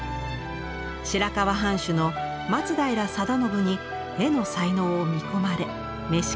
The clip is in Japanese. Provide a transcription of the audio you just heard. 白河藩主の松平定信に絵の才能を見込まれ召し抱えられたのです。